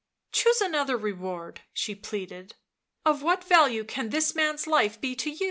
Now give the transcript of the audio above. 11 Choose another reward, 77 she pleaded. " Of what value can this man's life be to you